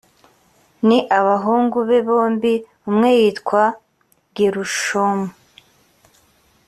ni abahungu be bombi umwe yitwa gerushomu